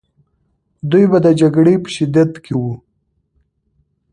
دوی به د جګړې په شدت کې وو.